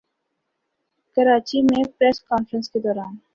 کراچی میں press conference کے دوران